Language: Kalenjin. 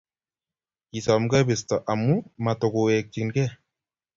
kisom kebisto amu matukuwekchinigei